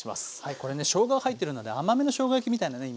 これねしょうがが入ってるので甘めのしょうが焼きみたいなね